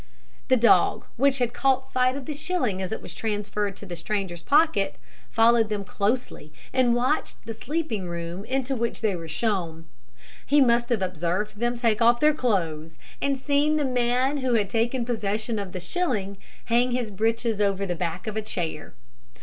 The dog, which had caught sight of the shilling as it was transferred to the stranger's pocket, followed them closely, and watched the sleeping room into which they were shown. He must have observed them take off their clothes, and seen the man who had taken possession of the shilling hang his breeches over the back of a chair.